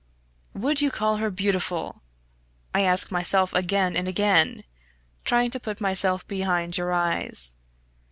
"Would you call her beautiful? I ask myself again and again, trying to put myself behind your eyes.